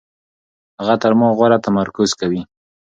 هغه تر ما غوره تمرکز کوي.